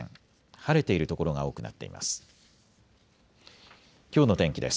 晴れている所が多くなっています。